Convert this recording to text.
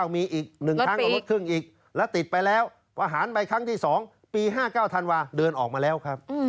มีอีก๑ครั้งก็ลดครึ่งอีกแล้วติดไปแล้วประหารไปครั้งที่๒ปี๕๙ธันวาเดินออกมาแล้วครับ